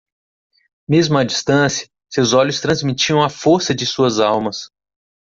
Mesmo a distância, seus olhos transmitiam a força de suas almas.